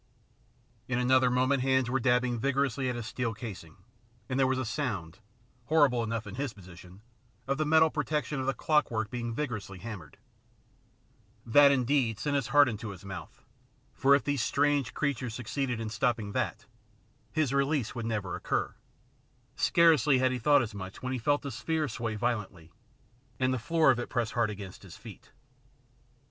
In another moment hands were dabbing vigorously at his steel casing, and there was a sound, horrible enough in his position, of the metal protection of the clockwork being vigorously hammered. That, indeed, sent his heart into his mouth, for if these strange creatures succeeded in stopping that, his release would never occur. Scarcely had he thought as much when he felt the sphere sway violently, and the floor of it press hard against his feet.